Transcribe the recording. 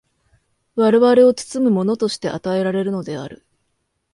我々を包むものとして与えられるのである。